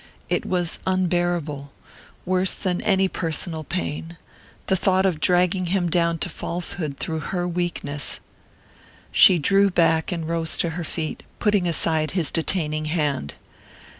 It was unbearable worse than any personal pain the thought of dragging him down to falsehood through her weakness. She drew back and rose to her feet, putting aside his detaining hand.